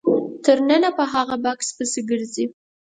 تر ننه په هغه بکس پسې ګرځي.